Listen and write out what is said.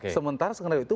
sementara skenario itu